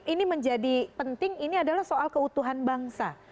ini menjadi penting ini adalah soal keutuhan bangsa